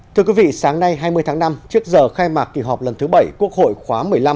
thưa quý vị sáng nay hai mươi tháng năm trước giờ khai mạc kỳ họp lần thứ bảy quốc hội khóa một mươi năm